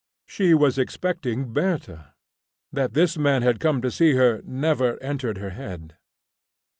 She was expecting Bertha; that this man had come to see her never entered her head.